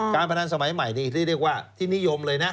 พนันสมัยใหม่นี่เรียกว่าที่นิยมเลยนะ